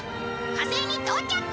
火星に到着！